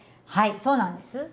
はいそうなんです。